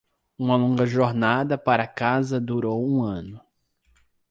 Uma longa jornada para casa durou um ano.